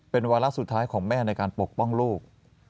เป็นวาระสุดท้ายของแม่ในการปกป้องลูก